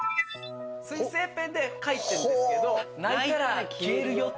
水性ペンで書いてるんですけど「泣いたら消えるよ」って。